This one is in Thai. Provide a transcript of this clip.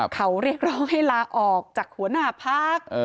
เขาเรียกร้องให้ลาออกจากหัวหน้าพัก